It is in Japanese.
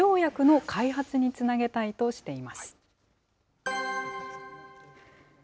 新型コロナ、治療薬の開発につなげたいとしています。